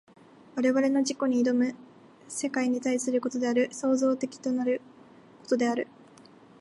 我々の自己に臨む世界に対することである、創造的となることである。